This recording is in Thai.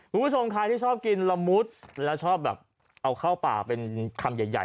คุณผู้ชมใครที่ชอบกินละมุดแล้วชอบแบบเอาเข้าป่าเป็นคำใหญ่